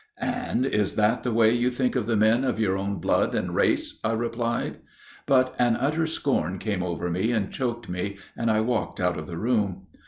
"And is that the way you think of the men of your own blood and race?" I replied. But an utter scorn came over me and choked me, and I walked out of the room.